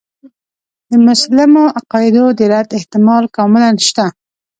د مسلمو عقایدو د رد احتمال کاملاً شته.